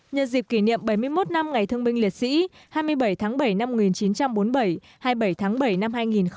nhân dịp kỷ niệm bảy mươi một năm ngày thương binh liệt sĩ hai mươi bảy tháng bảy năm một nghìn chín trăm bốn mươi bảy hai mươi bảy tháng bảy năm hai nghìn một mươi chín